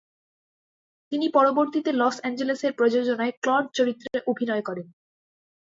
তিনি পরবর্তীতে লস অ্যাঞ্জেলেসের প্রযোজনায় ক্লড চরিত্রে অভিনয় করেন।